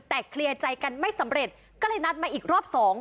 แต่เคลียร์ใจกันไม่สำเร็จก็เลยนัดมาอีกรอบสอง